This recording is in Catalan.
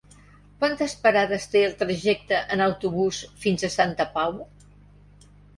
Quantes parades té el trajecte en autobús fins a Santa Pau?